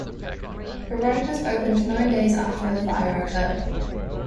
The road was opened nine days after the fire occurred.